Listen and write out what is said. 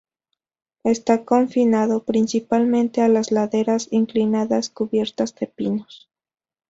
Está confinado principalmente a las laderas inclinadas cubiertas de pinos.